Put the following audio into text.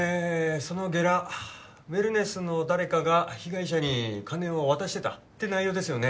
そのゲラウェルネスの誰かが被害者に金を渡してたって内容ですよね